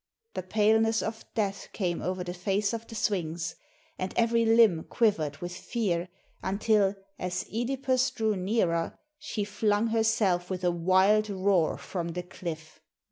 The paleness of death came over the face of the Sphinx, and every Umb quivered with fear, until, as CEdipus drew nearer, she flung herself with a wild roar from the cliff.